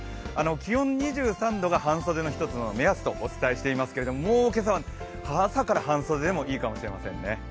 気温２３度が半袖の一つの目安とお伝えしていますけれどももう今朝は朝から半袖でもいいかもしれませんね。